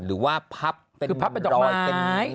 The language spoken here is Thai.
หรือว่าพับเป็นดอกไม้